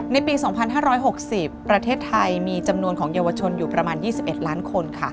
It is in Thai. ในปี๒๕๖๐ประเทศไทยมีจำนวนของเยาวชนอยู่ประมาณ๒๑ล้านคน